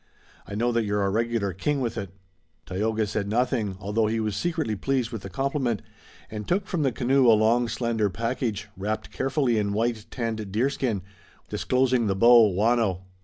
I know that you're a regular king with it." Tayoga said nothing, although he was secretly pleased with the compliment, and took from the canoe a long slender package, wrapped carefully in white, tanned deerskin, which he unrolled, disclosing the bow, waano.